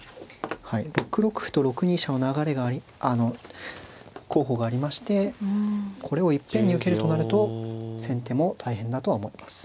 ６六歩と６二飛車の流れがあの候補がありましてこれをいっぺんに受けるとなると先手も大変だとは思います。